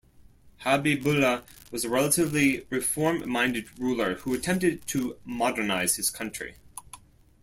Habibullah was a relatively reform-minded ruler who attempted to modernize his country.